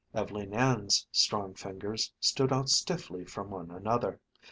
Ev'leen Ann's strong fingers stood out stiffly from one another.